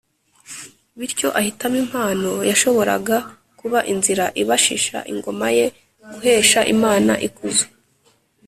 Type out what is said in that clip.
bityo ahitamo impano yashoboraga kuba inzira ibashisha ingoma ye guhesha imana ikuzo.